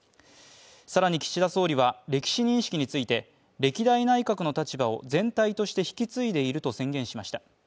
更に岸田総理は歴史認識について歴代内閣の立場を全体として引き継いでいると宣言しました。